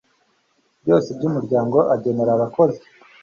byose by umuryango agenera abakozi